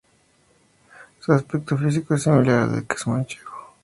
Su aspecto físico es similar al del queso manchego.